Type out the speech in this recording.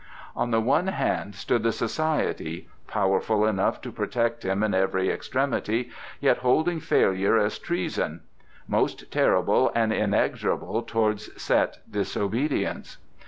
On the one hand stood the Society, powerful enough to protect him in every extremity, yet holding failure as treason; most terrible and inexorable towards set disobedience.